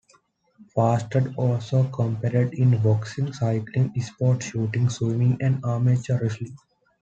Farstad also competed in boxing, cycling, sport shooting, swimming and amateur wrestling.